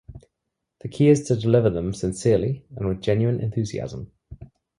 The key is to deliver them sincerely and with genuine enthusiasm.